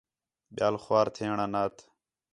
ٻیال خوار تھیݨ آنات